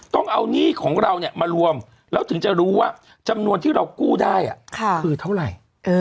ต้องเอาหนี้ของเราเนี่ยมารวมแล้วถึงจะรู้ว่าจำนวนที่เรากู้ได้คือเท่าไหร่